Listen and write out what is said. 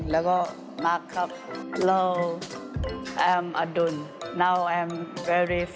แล้วก็มักครับ